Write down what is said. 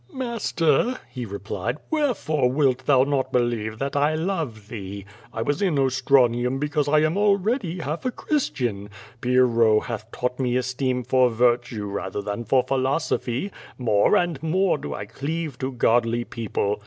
"Master, he replied, "wherefore wilt thou not believe that I love thee? I was in Ostranium because I am already half a Christian. Pyrrho hath taught me esteem for virtue rather than for philosophy. More and more do I cleave to godly people.